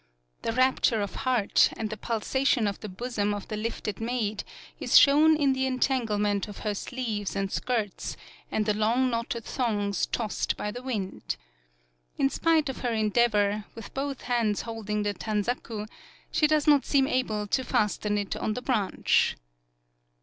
The rapture of heart and the pulsation of the bosom of the lifted maid is shown in the entanglement of her sleeves and skirts, and the long knotted thongs tossed by the wind. In spite of her en Ill PAULOWNIA deavor, with both hands holding the Tanzaku, she does not seem able to fasten it on the branch.